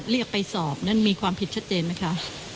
เรียกไปสอบนั้นมีความผิดชัดเจนไหมคะ